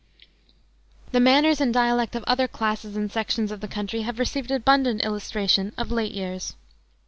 The manners and dialect of other classes and sections of the country have received abundant illustration of late years.